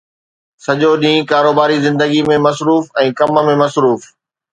سڄو ڏينهن ڪاروباري زندگيءَ ۾ مصروف ۽ ڪم ۾ مصروف